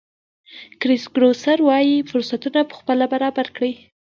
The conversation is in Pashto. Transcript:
کرېس ګروسر وایي فرصتونه پخپله برابر کړئ.